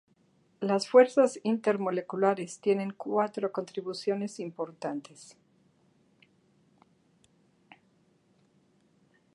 Las fuerzas intermoleculares tienen cuatro contribuciones importantes.